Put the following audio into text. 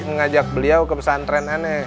mengajak beliau ke pesantren nenek